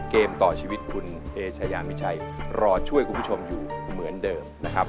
เกมต่อชีวิตคุณเอชายามิชัยรอช่วยคุณผู้ชมอยู่เหมือนเดิมนะครับ